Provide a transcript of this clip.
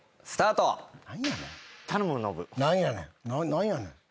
何やねん？